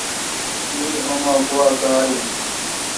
تی اومہ گوا کار این۔